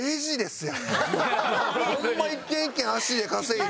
ホンマ一軒一軒足で稼いで。